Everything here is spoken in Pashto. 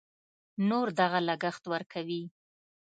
نور دغه لګښت ورکوي.